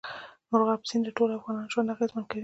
مورغاب سیند د ټولو افغانانو ژوند اغېزمن کوي.